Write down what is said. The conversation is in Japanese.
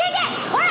ほら！